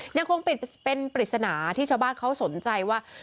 ยังคงเป็นปริศนาที่ชาวบ้านเขาสนใจว่า